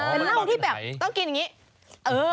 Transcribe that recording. เป็นเหล้าที่แบบต้องกินอย่างนี้